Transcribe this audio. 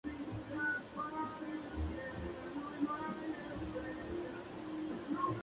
Siempre con el menor impacto posible en los ciudadanos y agentes afectados.